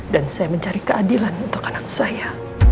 dan saya mencari keadilan untuk anak saya